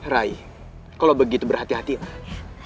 rai kalau begitu berhati hatilah